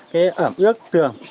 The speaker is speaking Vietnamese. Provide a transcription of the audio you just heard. cái ẩm ướt tường